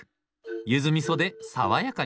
ゆずみそで爽やかに。